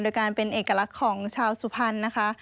โดยการเป็นเอกลักษณ์ของชาวสุพรรณนะคะ